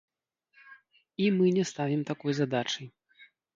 І мы не ставім такой задачы.